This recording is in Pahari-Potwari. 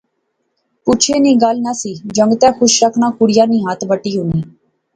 پچھے نی گل نہسی، جنگتے خوش رکھنا کڑیا نی ہتھ بٹی ہونی